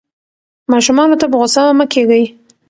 ماشومانو ته په غوسه مه کېږئ.